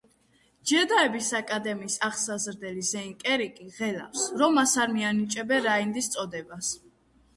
ჯედაების აკადემიის აღსაზრდელი ზეინ კერიკი ღელავს, რომ მას არ მიანიჭებენ რაინდის წოდებას.